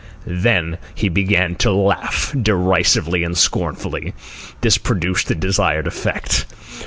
Then he began to laugh derisively and scornfully. This produced the desired effect.